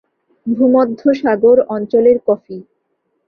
ভূমধ্যসাগর অঞ্চলের কফি।